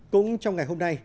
cũng trong ngày hôm nay